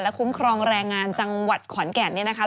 และคุ้มครองแรงงานจังหวัดขอนแก่น